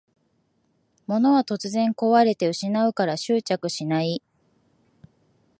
物は突然こわれて失うから執着しない